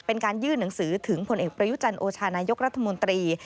เป็นการยื่นหนังสือถึงผลเอกประยุจันทร์โอชานายกรัฐมนตรี